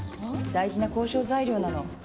大事な交渉材料なの。